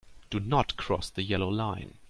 Do not cross the yellow line.